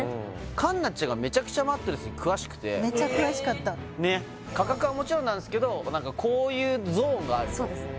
環奈ちゃんがメチャクチャマットレスに詳しくてメチャ詳しかったねっ価格はもちろんなんですけど何かこういうゾーンがあるとそうです